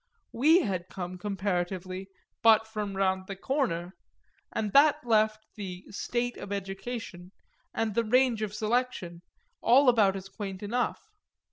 We had come, comparatively, but from round the corner and that left the "state of education" and the range of selection all about as quaint enough.